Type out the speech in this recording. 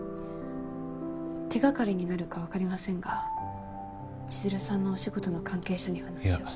手がかりになるか分かりませんが千弦さんのお仕事の関係者に話を。